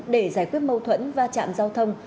để giải quyết mâu thuẫn va chạm giao thông